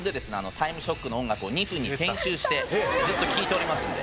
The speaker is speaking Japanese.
『タイムショック』の音楽を２分に編集してずっと聴いておりますので。